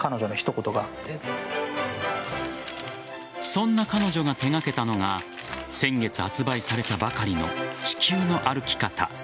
そんな彼女が手がけたのが先月発売されたばかりの「地球の歩き方